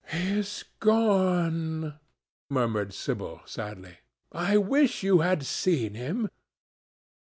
"He is gone," murmured Sibyl sadly. "I wish you had seen him."